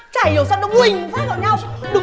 chả hiểu sao nó quỳnh phát vào nhau